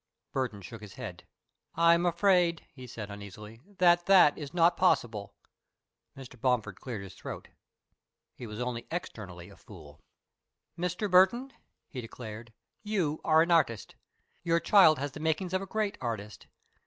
Burton shook his head. "I am afraid," he said, uneasily, "that that is not possible." Mr. Bomford cleared his throat. He was only externally a fool. "Mr. Burton," he declared, "you are an artist. Your child has the makings of a great artist.